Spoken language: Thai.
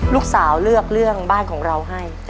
ลูกสาวเลือกเรื่องบ้านของเราให้